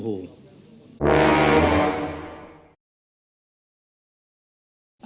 ก็เดี๋ยวดูไง